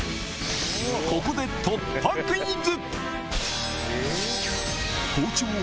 ここで突破クイズ。